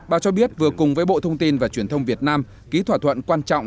bà cho biết vừa cùng với bộ thông tin và truyền thông việt nam ký thỏa thuận quan trọng